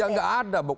ya nggak ada